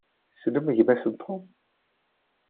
Tessnem gma-s n Tom?